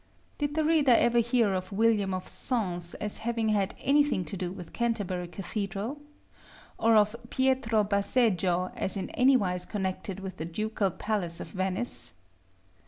Did the reader ever hear of William of Sens as having had anything to do with Canterbury Cathedral? or of Pietro Basegio as in anywise connected with the Ducal Palace of Venice?